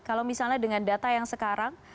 kalau misalnya dengan data yang sekarang